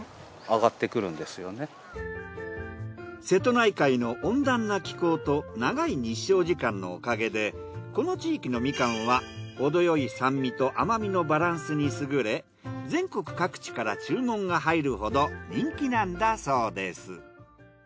瀬戸内海の温暖な気候と長い日照時間のおかげでこの地域のみかんはほどよい酸味と甘みのバランスに優れ全国各地から注文が入るほど人気なんだそうです。